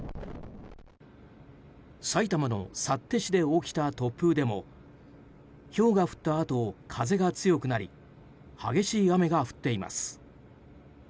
埼玉の幸手市で起きた突風でもひょうが降ったあと風が強くなり激しい雨が降っています。